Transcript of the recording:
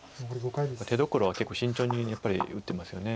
手どころは結構慎重にやっぱり打ってますよね